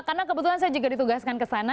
karena kebetulan saya juga ditugaskan kesana